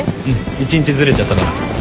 １日ずれちゃったから。